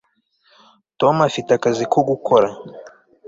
tom afite akazi ko gukora